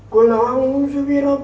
kenapa riot selam